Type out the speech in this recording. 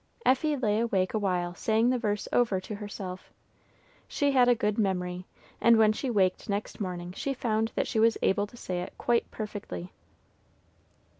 Effie lay awake awhile saying the verse over to herself. She had a good memory, and when she waked next morning she found that she was able to say it quite perfectly.